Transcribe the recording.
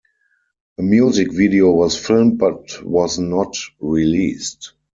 A music video was filmed but was not released.